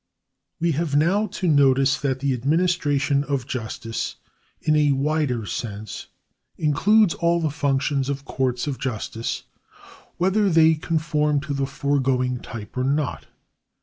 We have now to notice that the administration of justice in a wider sense includes all the 00 THE ADMINISTRATION OF JUSTICE [§85 functions of courts of justice, whether they conform to the foregoing type or not.